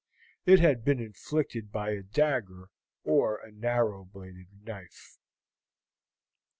It had been inflicted by a dagger or a narrow bladed knife.